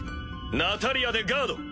ナタリアでガード！